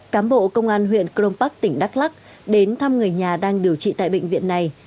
cám bộ công an huyện cron park tỉnh đắk lắc đến thăm người nhà đang điều trị tại bệnh viện này